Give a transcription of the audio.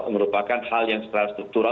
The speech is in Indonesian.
merupakan hal yang secara struktural